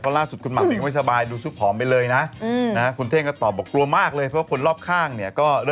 อ๋อกระจายไปซื้อคนละที่